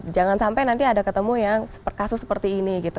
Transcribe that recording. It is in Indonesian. jangan sampai nanti ada ketemu yang kasus seperti ini gitu